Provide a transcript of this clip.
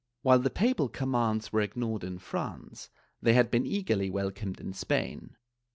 While the papal commands were ignored in France, they had been eagerly welcomed in Spain.